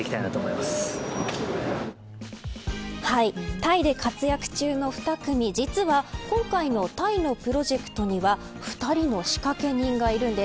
タイで活躍中の２組、実は今回のタイのプロジェクトには２人の仕掛け人がいるんです。